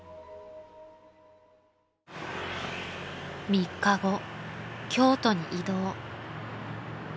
［３日後京都に移動］